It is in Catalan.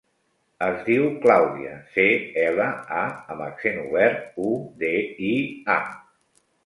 Es diu Clàudia: ce, ela, a amb accent obert, u, de, i, a.